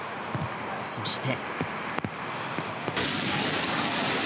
そして。